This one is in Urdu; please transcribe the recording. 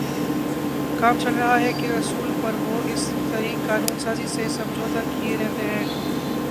کام چل رہا ہے کے اصول پر وہ اس طریقِ قانون سازی سے سمجھوتاکیے رہتے ہیں